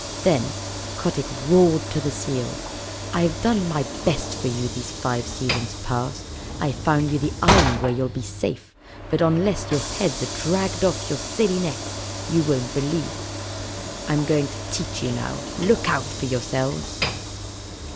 Then Kotick roared to the seals: "I've done my best for you these five seasons past. I've found you the island where you'll be safe, but unless your heads are dragged off your silly necks you won't believe. I'm going to teach you now. Look out for yourselves!"